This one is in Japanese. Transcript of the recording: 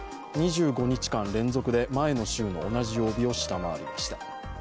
２５日間連続で前の週の同じ曜日を下回りました。